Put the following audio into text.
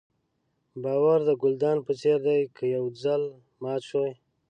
باور د ګلدان په څېر دی که یو ځل مات شو.